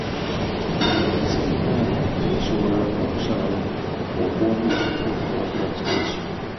Abakiise mu palamenti basobola okusalawo okuwagira oba obutawagira kiteeso.